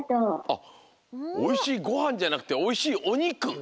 あっおいしいごはんじゃなくておいしいおにく？